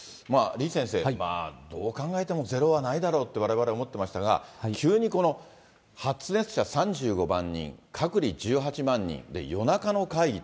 李先生、どう考えてもゼロはないだろうってわれわれ思ってましたが、急にこの発熱者３５万人、隔離１８万人、夜中の会議。